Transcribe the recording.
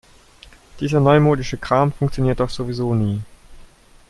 Dieser neumodische Kram funktioniert doch sowieso nie.